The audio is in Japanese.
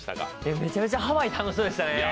めちゃめちゃハワイ楽しそうでしたね